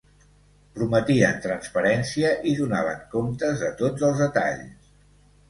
Prometien transparència i donaven comptes de tots els detalls.